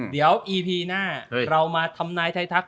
เดี๋ยวอีพีหน้าเรามาทำนายไทยทัก